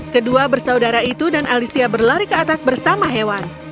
kedua bersaudara itu dan alicia berlari ke atas bersama hewan